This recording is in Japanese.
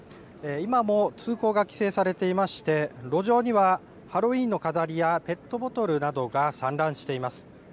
今も通行が規制されていまして路上にはハロウィーンの飾りやペットボトルなどが散乱しています。